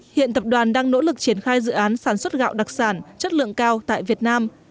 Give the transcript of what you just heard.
hiện tập đoàn đang nỗ lực triển khai dự án sản xuất gạo đặc sản chất lượng cao tại việt nam